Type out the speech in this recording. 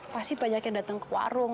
pasti banyak yang datang ke warung